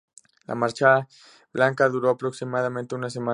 La marcha blanca duró aproximadamente una semana.